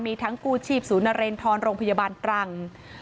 มีทั้งกู้ชีพศูนย์นเรนทรโรงพยาบาลตรัง